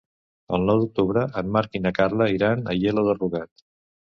El nou d'octubre en Marc i na Carla iran a Aielo de Rugat.